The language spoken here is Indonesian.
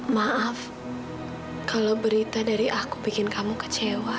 maaf kalau berita dari aku bikin kamu kecewa